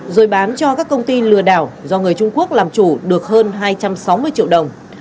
rồi bán cho các công ty lừa đảo do người trung quốc làm chủ được hơn hai trăm sáu mươi triệu đồng